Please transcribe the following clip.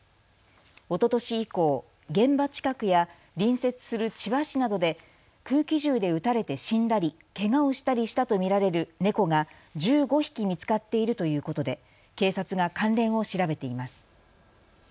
おととし以降、現場近くや隣接する千葉市などで空気銃で撃たれて死んだりけがをしたりしたと見られる猫が１５匹見つかっているということで警察が関連を調べています。